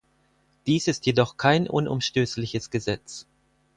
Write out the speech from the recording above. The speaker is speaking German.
Dies ist jedoch kein unumstößliches Gesetz.